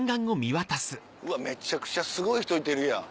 うわめちゃくちゃすごい人いてるやん。